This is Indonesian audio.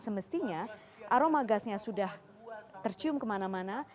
semestinya aroma gasnya sudah tercium kemana mana